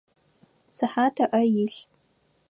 Сыхьат ыӏэ илъ.